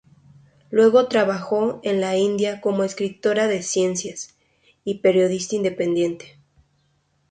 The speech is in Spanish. Luego trabajó en la India como escritora de ciencia y periodista independiente.